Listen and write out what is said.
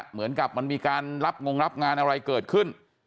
เหมือนกับมันมีการรับงงรับงานอะไรเกิดขึ้น